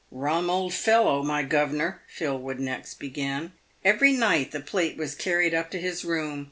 "Rum old fellow, my governor," Phil would next begin ;" every night the plate was carried up to his room.